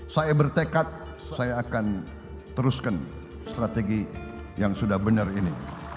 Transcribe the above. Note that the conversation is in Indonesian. saya bertekad saya akan teruskan strategi yang sudah benar ini